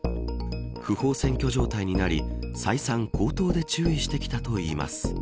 不法占拠状態になり再三、口頭で注意してきたといいます。